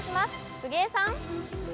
杉江さん。